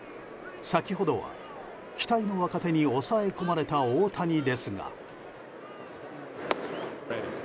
先ほどは期待の若手に抑え込まれた大谷ですが。